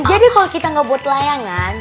jadi kalau kita nggak buat layangan